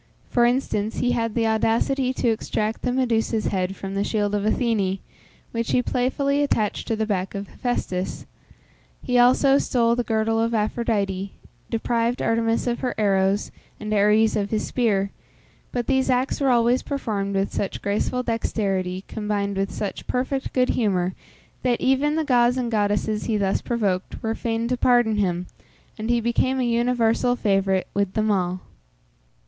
For instance, he had the audacity to extract the Medusa's head from the shield of Athene, which he playfully attached to the back of Hephæstus; he also stole the girdle of Aphrodite; deprived Artemis of her arrows, and Ares of his spear, but these acts were always performed with such graceful dexterity, combined with such perfect good humour, that even the gods and goddesses he thus provoked, were fain to pardon him, and he became a universal favourite with them all.